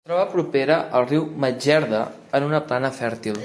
Es troba propera al riu Medjerda en una plana fèrtil.